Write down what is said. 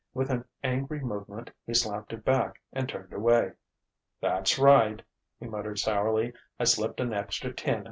With an angry movement he slapped it back and turned away. "That's right," he muttered sourly. "I slipped an extra ten in.